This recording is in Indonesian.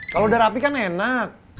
kalau udah rapi kan enak